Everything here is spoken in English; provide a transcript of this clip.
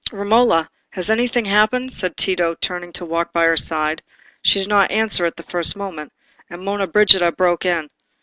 "Romola, has anything happened?" said Tito, turning to walk by her side. She did not answer at the first moment, and Monna Brigida broke in.